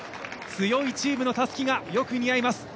強いチームのたすきがよく似合います。